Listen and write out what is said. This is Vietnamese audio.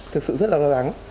thực sự rất là lo lắng